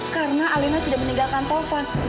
karena alina sudah meninggalkan taufan